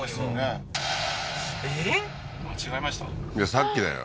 さっきだよ